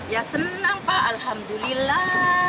ya senang pak alhamdulillah